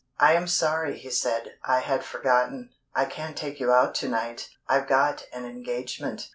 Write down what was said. "I am sorry," he said. "I had forgotten. I can't take you out to night I've got an engagement.